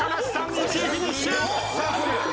１位フィニッシュ！